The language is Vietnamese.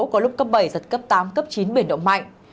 có lúc cấp bảy giật cấp tám cấp chín biển động mạnh